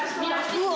うわ。